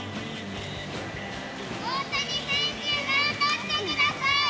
大谷選手、頑張ってください！